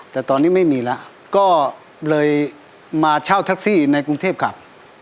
แล้วลุงมายังไงมาเช้าเย็นกลับ